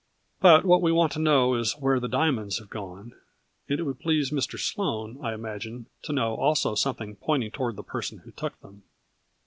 But what we want to know is where the diamonds have gone, and it would please Mr. Sloane, I imagine, to know also something pointing toward the person who took them.